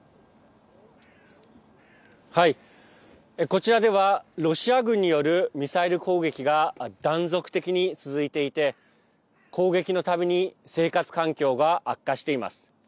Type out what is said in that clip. こちらではロシア軍によるミサイル攻撃が断続的に続いていて攻撃の度に生活環境が悪化しています。